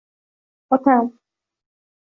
— Otam...